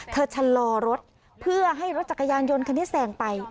ชะลอรถเพื่อให้รถจักรยานยนต์คันนี้แสงไป